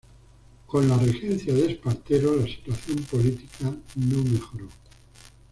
Con la regencia de Espartero la situación política no mejoró.